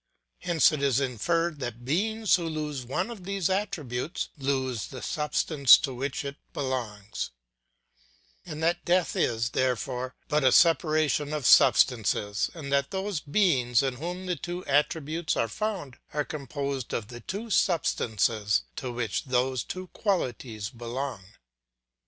Hence it is inferred that beings who lose one of these attributes lose the substance to which it belongs, and that death is, therefore, but a separation of substances, and that those beings in whom the two attributes are found are composed of the two substances to which those two qualities belong.